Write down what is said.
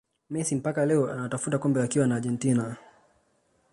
Messi mpaka leo anatafuta kombe akiwa na Argentina